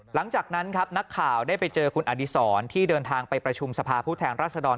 หลังจากนั้นครับนักข่าวได้ไปเจอคุณอดีศรที่เดินทางไปประชุมสภาผู้แทนรัศดร